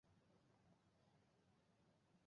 ছোট open mid স্বরবর্ণও তাদের পরিবেশের উপর নির্ভর করে।